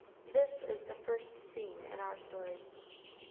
This is the first scene in our story.